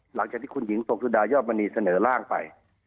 หลังจากนี้คุณหญิงตรงสุดายอบบนนี้เสนอร่างไป